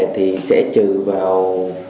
thì sẽ trừ vào